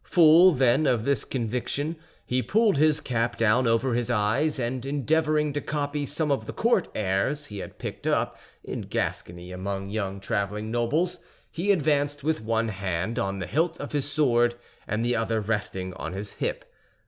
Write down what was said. Full, then, of this conviction, he pulled his cap down over his eyes, and endeavoring to copy some of the court airs he had picked up in Gascony among young traveling nobles, he advanced with one hand on the hilt of his sword and the other resting on his hip.